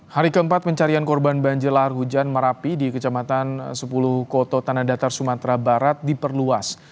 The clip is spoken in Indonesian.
hari keempat pencarian korban banjir lahar hujan merapi di kecamatan sepuluh koto tanah datar sumatera barat diperluas